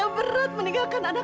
bok yakin pasil ini akan berubah bok